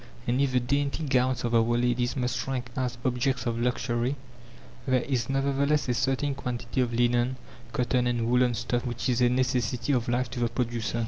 And if the dainty gowns of our ladies must rank as objects of luxury, there is nevertheless a certain quantity of linen, cotton, and woolen stuff which is a necessity of life to the producer.